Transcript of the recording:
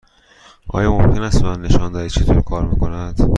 آیا ممکن است به من نشان دهید چطور کار می کند؟